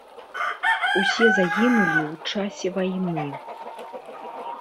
Усе загінулі ў часе вайны.